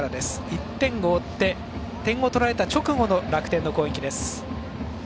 １点を追って点を取られた直後の楽天の攻撃です。